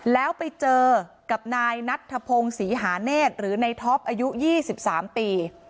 แล้วไปเจอกับนายนัทธพงศรีหาเนธหรือในท็อปอายุ๒๓ปี